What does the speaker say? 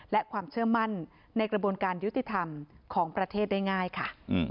และความเชื่อมั่นในกระบวนการยุติธรรมของประเทศได้ง่ายค่ะ